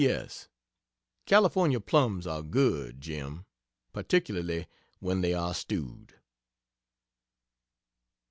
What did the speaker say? P. S. "California plums are good, Jim particularly when they are stewed."